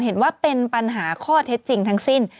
เห็นว่าเป็นปัญหาข้อเท็จจริงทั้งสิ้น